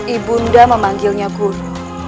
ibu nda memanggilnya guru